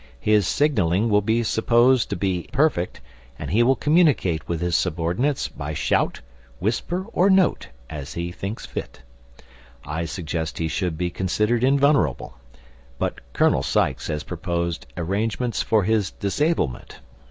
His signalling will be supposed to be perfect, and he will communicate with his subordinates by shout, whisper, or note, as he thinks fit. I suggest he should be considered invulnerable, but Colonel Sykes has proposed arrangements for his disablement.